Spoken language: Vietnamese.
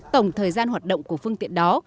tổng thời gian hoạt động của phương tiện đó